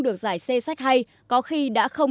được giải xê sách hay có khi đã không